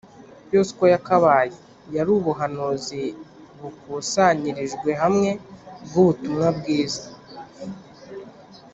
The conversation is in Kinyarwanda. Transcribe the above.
, yose uko yakabaye yari ubuhanuzi bukusanyirijwe hamwe bw’ubutumwa bwiza